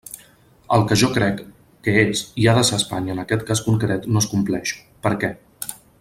El que jo crec que és i ha de ser Espanya en aquest cas concret no es compleix, ¿per què?